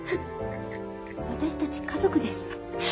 私たち家族です。